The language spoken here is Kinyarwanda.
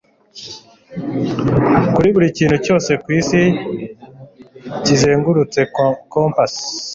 kuri buri kintu cyose kwisi kizengurutse kompas